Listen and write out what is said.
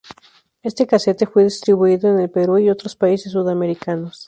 Este cassette fue distribuido en el Perú y otros países sudamericanos.